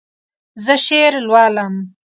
زه شعر لولم.